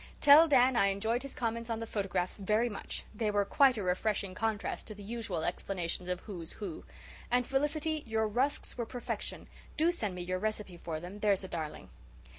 "Tell Dan I enjoyed his comments on the photographs very much. They were quite a refreshing contrast to the usual explanations of 'who's who.' And Felicity, your rusks were perfection. Do send me your recipe for them, there's a darling.